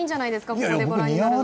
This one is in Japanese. ここでご覧になられるの。